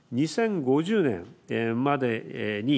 ２０５０年までに